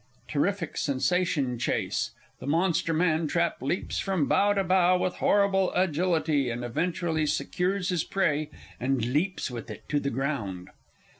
[Terrific sensation chase! The Monster Man trap _leaps from bough to bough with horrible agility, and eventually secures his prey, and leaps with it to the ground.